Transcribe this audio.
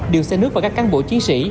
điều xe nước và các căn bộ chiến sĩ